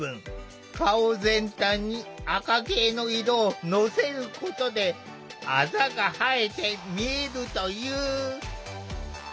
顔全体に赤系の色をのせることであざが映えて見えるという。